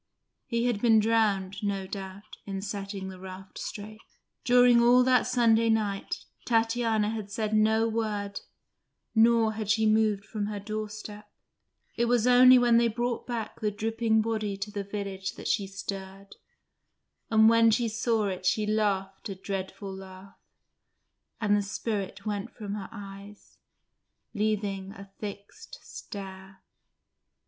He had been drowned, no doubt, in setting the raft straight. During all that Sunday night, Tatiana had said no word, nor had she moved from her doorstep: it was only when they brought back the dripping body to the village that she stirred, and when she saw it she laughed a dreadful laugh, and the spirit went from her eyes, leaving a fixed stare.